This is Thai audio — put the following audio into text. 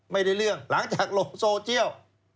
ไม่ได้เรื่องหลังจากลงโซเชียล